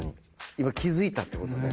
今気付いたってことね。